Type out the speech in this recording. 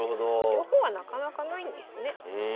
両方はなかなかないんですね。